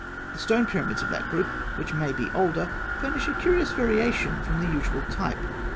The stone pyramids of that group, which may be older, furnish a curious variation from the usual type.